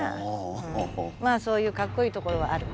まあそういうかっこいいところはある。